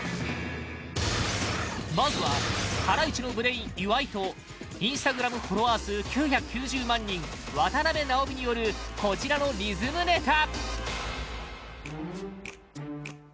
まずはハライチのブレーン岩井とＩｎｓｔａｇｒａｍフォロワー数９９０万人渡辺直美によるこちらのリズムネタ